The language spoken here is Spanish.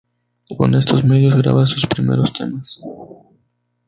Con estos medios graba sus primeros temas.